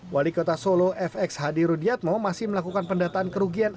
wali kota solo fx hadi rudiatmo masih melakukan pendataan kerugian